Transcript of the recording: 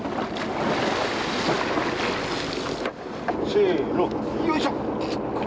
せのよいしょ！